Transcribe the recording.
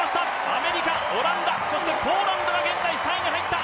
アメリカ、オランダ、そして、ポーランドが３位に入った。